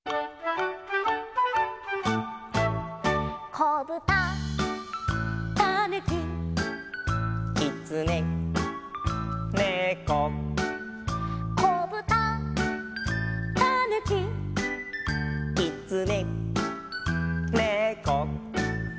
「こぶた」「たぬき」「きつね」「ねこ」「こぶた」「たぬき」「きつね」「ねこ」